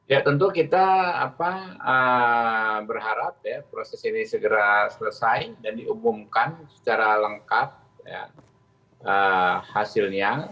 ya tentu kita berharap proses ini segera selesai dan diumumkan secara lengkap hasilnya